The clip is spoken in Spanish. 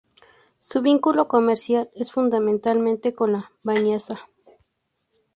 Su vínculo comercial es, fundamentalmente, con La Bañeza.